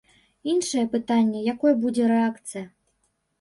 Іншае пытанне, якой будзе рэакцыя.